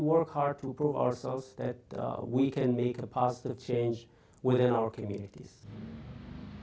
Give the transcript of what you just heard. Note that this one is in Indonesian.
dan kita harus bekerja keras untuk menunjukkan bahwa kita bisa membuat perubahan positif di dalam komunitas kita